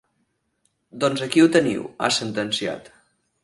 Doncs aquí ho teniu, ha sentenciat.